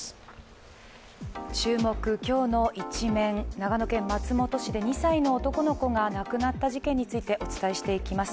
長野県松本市で２歳の男の子が亡くなった事件についてお伝えしていきます。